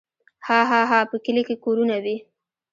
هاهاها په کلي کې کورونه وي.